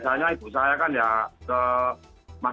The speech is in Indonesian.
saya dikejar ke matreman